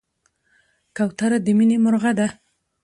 کوتره د مینې مرغه ده.